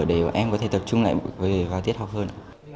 để bọn em có thể tập trung lại về vào tiết học hơn